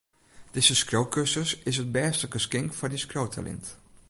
Dizze skriuwkursus is it bêste geskink foar dyn skriuwtalint.